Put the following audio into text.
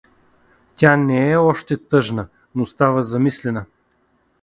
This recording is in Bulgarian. Тя не е още тъжна, но става замислена.